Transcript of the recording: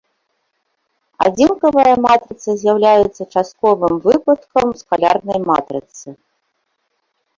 Адзінкавая матрыца з'яўляецца частковым выпадкам скалярнай матрыцы.